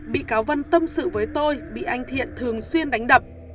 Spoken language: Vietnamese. bị cáo vân tâm sự với tôi bị anh thiện thường xuyên đánh đập